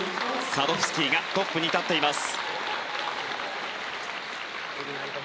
サドフスキーがトップに立っています。